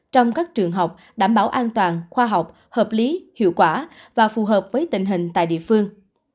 trong các trường học đảm bảo an toàn khoa học hợp lý hiệu quả và phù hợp với tình hình tại địa phương